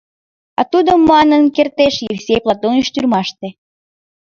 А тудо манын кертеш: «Евсей Платоныч тюрьмаште».